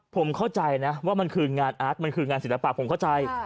ผมเข้าใจนะว่ามันคืองานอาร์ตมันคืองานศิลปะผมเข้าใจ